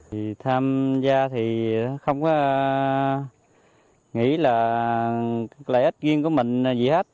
thì tham gia thì không có nghĩ là lợi ích riêng của mình gì hết